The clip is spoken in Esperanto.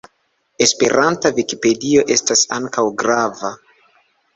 Esperanta vikipedio estas ankaŭ grava.